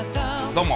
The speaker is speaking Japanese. どうも。